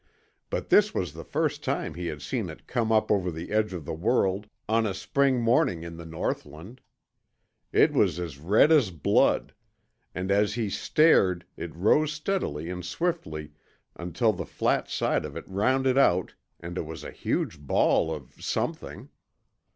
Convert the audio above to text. But this was the first time he had seen it come up over the edge of the world on a spring morning in the Northland. It was as red as blood, and as he stared it rose steadily and swiftly until the flat side of it rounded out and it was a huge ball of SOMETHING.